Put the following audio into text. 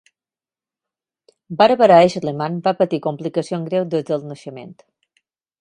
Barbara Eshleman va patir complicacions greus des del naixement.